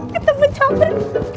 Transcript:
kita mau campur